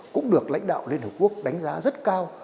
cũng được lãnh đạo liên hợp quốc đánh giá rất cao